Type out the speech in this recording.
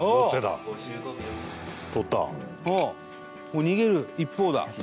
伊達：もう逃げる一方だ。